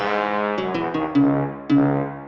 kalo kamu suara